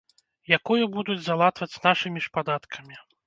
Якую будуць залатваць нашымі ж падаткамі.